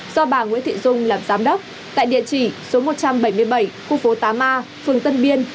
do bà nguyễn thị dung làm giám đốc tại địa chỉ số một trăm bảy mươi bảy khu phố tám a phường tân biên